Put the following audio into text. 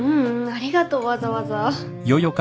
ありがとうわざわざ。